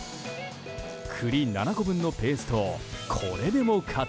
栗７個分のペーストをこれでもかと。